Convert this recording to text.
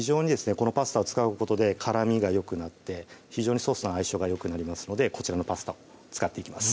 このパスタを使うことで絡みがよくなって非常にソースの相性がよくなりますのでこちらのパスタを使っていきます